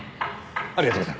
ありがとうございます。